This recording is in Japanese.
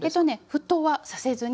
沸騰はさせずに。